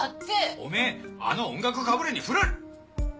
おめあの音楽かぶれにフラれ。